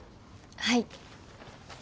はい。